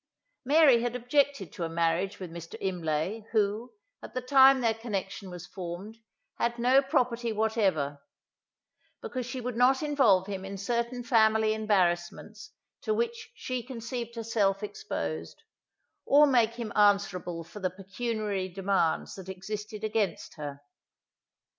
Mary had objected to a marriage with Mr. Imlay, who, at the time their connection was formed, had no property whatever; because she would not involve him in certain family embarrassments to which she conceived herself exposed, or make him answerable for the pecuniary demands that existed against her.